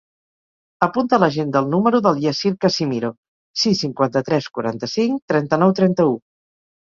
Apunta a l'agenda el número del Yassir Casimiro: sis, cinquanta-tres, quaranta-cinc, trenta-nou, trenta-u.